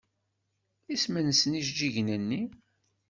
Isem-nsen yijeǧǧigen-nni?